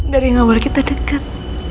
dari awal kita dekat